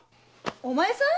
お前さん！